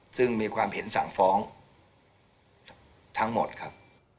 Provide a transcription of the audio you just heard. ซึ่งมีความเห็นสั่งฟ้องทั้งหมดครับ